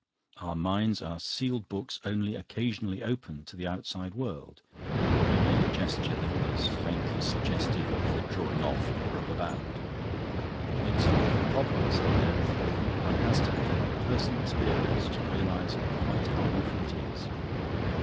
Our minds are sealed books only occasionally opened to the outside world." He made a gesture that was faintly suggestive of the drawing off of a rubber band. "It's an awful problem," said Mary thoughtfully. "One has to have had personal experience to realise quite how awful it is."